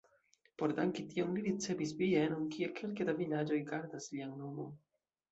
Por danki tion li ricevis bienon, kie kelke da vilaĝoj gardas lian nomon.